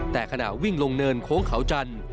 แต่ขณะวิ่งลงเนินโค้งเขาจันทร์